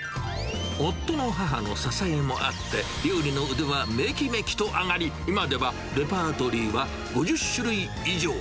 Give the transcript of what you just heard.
夫の母の支えもあって、料理の腕はめきめきと上がり、今ではレパートリーは５０種類以上。